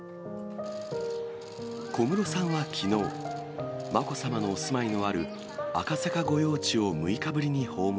小室さんはきのう、まこさまのお住まいのある赤坂御用地を６日ぶりに訪問。